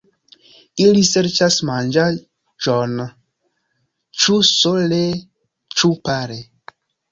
Ili serĉas manĝaĵon ĉu sole ĉu pare.